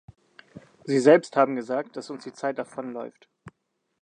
Sie selbst haben gesagt, dass uns die Zeit davonläuft.